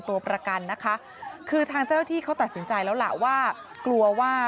ตัวประกันนะคะคือทางเจ้าหน้าที่เขาตัดสินใจแล้วล่ะว่ากลัวว่า